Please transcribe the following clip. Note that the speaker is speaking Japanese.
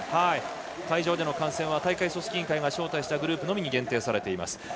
会場での観戦は大会組織委員会が招待したグループのみに限定されています。